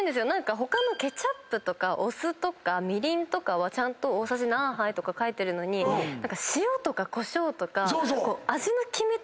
他のケチャップとかお酢とかみりんとかはちゃんと大さじ何杯とか書いてるのに塩とかこしょうとか。